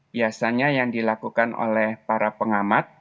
biasanya yang dilakukan oleh para pengamat